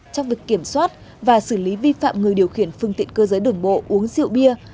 trong việc kiểm soát và xử lý vi phạm người điều khiển phương tiện cơ giới đường bộ uống rượu bia